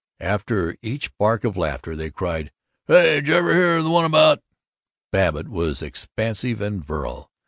After each bark of laughter they cried, "Say, jever hear the one about " Babbitt was expansive and virile.